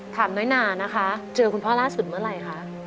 น้อยนานะคะเจอคุณพ่อล่าสุดเมื่อไหร่คะ